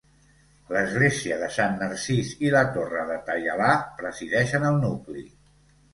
L’església de Sant Narcís i la torre de Taialà presideixen el nucli.